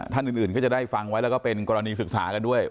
ท่านอื่นก็จะได้ฟังไว้แล้วก็เป็นกรณีศึกษากันด้วย